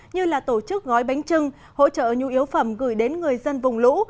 như là tổ chức gói bánh trưng hỗ trợ nhu yếu phẩm gửi đến người dân vùng lũ